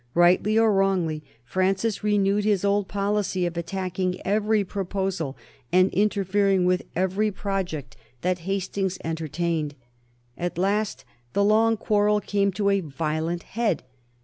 Rightly or wrongly, Francis renewed his old policy of attacking every proposal and interfering with every project that Hastings entertained. At last the long quarrel came to a violent head.